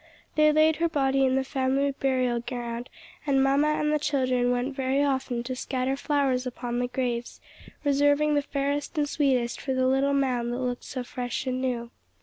They laid her body in the family burialground and mamma and the children went very often to scatter flowers upon the graves, reserving the fairest and sweetest for the little mound that looked so fresh and new.